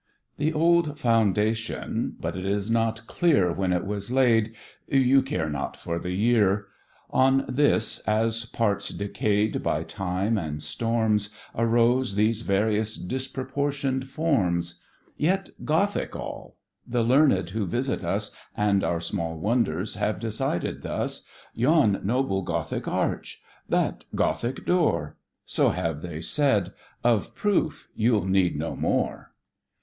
The old Foundation but it is not clear When it was laid you care not for the year; On this, as parts decayed by time and storms, Arose these various disproportion'd forms; Yet Gothic all the learn'd who visit us (And our small wonders) have decided thus: "Yon noble Gothic arch," "That Gothic door;" So have they said; of proof you'll need no more.